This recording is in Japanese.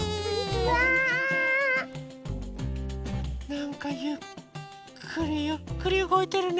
なんかゆっくりゆっくりうごいてるね。